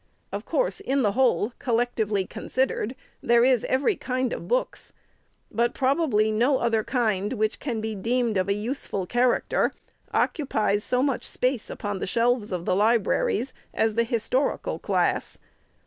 Of course, in the whole, collectively considered, there is every kind of books ; but proba bly no other kind, which can be deemed of a useful character, occupies so much space upon the shelves of the libraries, as the historical class.